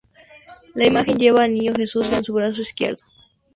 La imagen lleva al Niño Jesús en su brazo izquierdo.